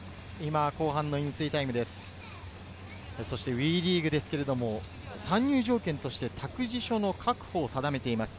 ＷＥリーグは参入条件として託児所の確保を定めています。